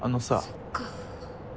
そっか。